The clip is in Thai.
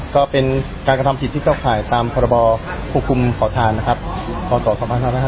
การกระทำผิดที่เข้าข่ายตามภาระบคุกคุมขอทานขสศ๒๕๙